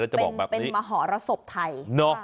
เป็นมหรสบไทย